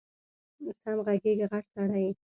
سم غږېږه غټ سړی یې